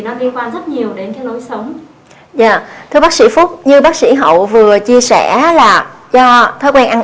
nó liên quan rất nhiều đến cái lối sống và thưa bác sĩ phúc như bác sĩ hậu vừa chia sẻ là do thói quen ăn